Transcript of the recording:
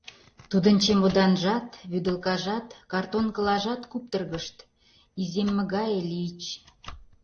Тудын чемоданжат, вӱдылкажат, картонкылажат куптыргышт, иземме гае лийыч...